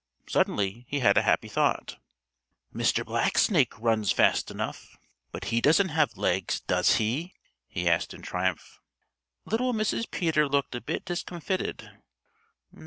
Suddenly he had a happy thought. "Mr. Blacksnake runs fast enough, but he doesn't have legs, does he?" he asked in triumph. Little Mrs. Peter looked a bit discomfited.